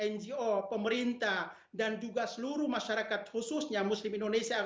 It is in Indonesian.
ngo pemerintah dan juga seluruh masyarakat khususnya muslim indonesia